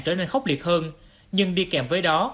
trở nên khốc liệt hơn nhưng đi kèm với đó